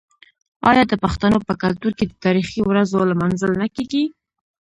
آیا د پښتنو په کلتور کې د تاریخي ورځو لمانځل نه کیږي؟